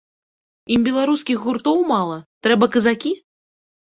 Ім беларускіх гуртоў мала, трэба казакі?